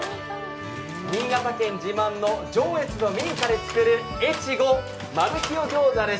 新潟県自慢の上越の民家で作る越後まるきよ餃子です。